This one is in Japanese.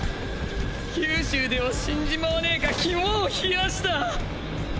九州では死んじまわねぇか肝を冷やした！